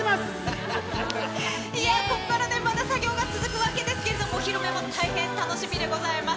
ここからまだ作業が続くわけですけれども、お披露目が大変楽しみでございます。